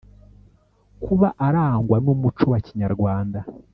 kuba arangwa n umuco wa Kinyarwanda